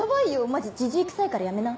マジジジィくさいからやめな。